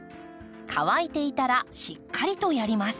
乾いていたらしっかりとやります。